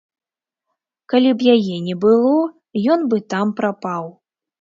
Калі б яе не было, ён бы там прапаў.